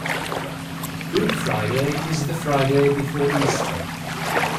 Good Friday is the Friday before Easter.